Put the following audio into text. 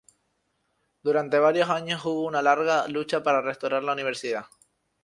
Durante varios años hubo una larga lucha para restaurar la universidad.